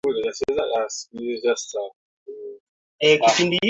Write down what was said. wa hali ya hewa haujatatuliwa katika eneo lolote lakini kumekuwa na